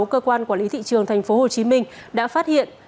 cơ quan quản lý thị trường thành phố hồ chí minh đã phát hiện